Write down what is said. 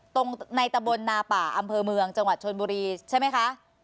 ตรงในตะบลนาป่าอำเภอเมืองจังหวัดชนบุรีใช่ไหมคะ